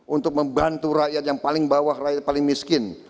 untuk membantu rakyat yang paling bawah rakyat paling miskin